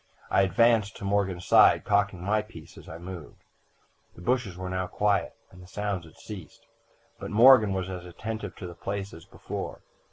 I advanced to Morgan's side, cocking my piece as I moved. "The bushes were now quiet, and the sounds had ceased, but Morgan was as attentive to the place as before.